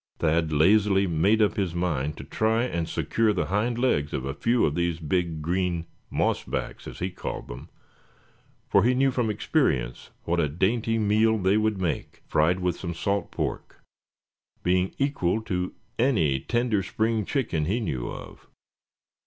Thad lazily made up his mind to try and secure the hind legs of a few of these big green "mossbacks," as he called them; for he knew from experience what a dainty meal they would make, fried with some salt pork, being equal to any tender spring chicken he knew of.